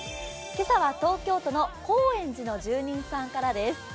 今朝は東京都の高円寺の住人さんからです。